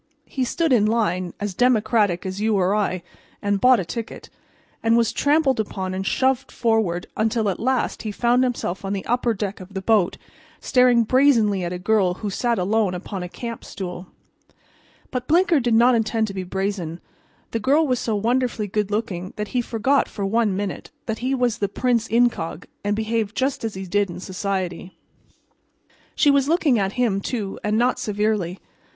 He stood in line, as democratic as you or I, and bought a ticket, and was trampled upon and shoved forward until, at last, he found himself on the upper deck of the boat staring brazenly at a girl who sat alone upon a camp stool. But Blinker did not intend to be brazen; the girl was so wonderfully good looking that he forgot for one minute that he was the prince incog, and behaved just as he did in society. She was looking at him, too, and not severely.